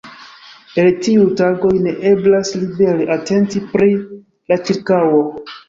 En tiuj tagoj, ne eblas libere atenti pri la ĉirkaŭo.